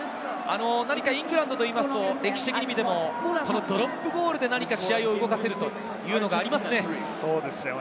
イングランドというとドロップゴールで試合を動かせるというのがありますよね。